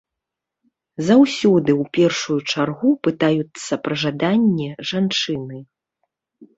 Заўсёды ў першую чаргу пытаюцца пра жаданне жанчыны.